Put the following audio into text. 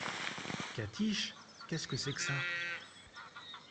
Catiche ! qu’est-ce que c’est que ça ?